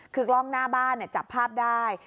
คือกล้องหน้าบ้านจับภาพได้